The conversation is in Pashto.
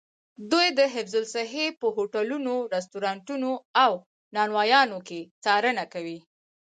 دوی د حفظ الصحې په هوټلونو، رسټورانتونو او نانوایانو کې څارنه کوي.